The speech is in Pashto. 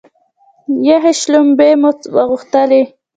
یخې شلومبې مو غوښتلې.